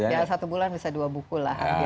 ya satu bulan bisa dua buku lah